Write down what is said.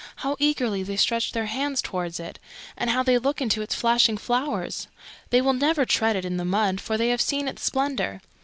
"How eagerly they stretch their hands towards it, and how they look into its flashing flowers. They will never tread it in the mud, for they have seen its splendour.